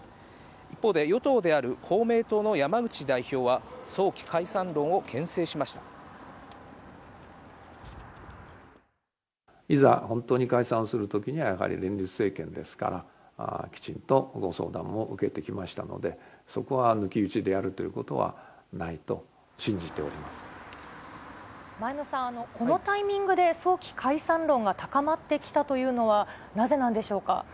一方で、与党である公明党の山口代表は、早期解散論をけん制しまいざ、本当に解散をするときには、やはり連立政権ですから、きちんとご相談を受けてきましたので、そこは抜き打ちでやるとい前野さん、このタイミングで早期解散論が高まってきたというのは、なぜなんでしょうか。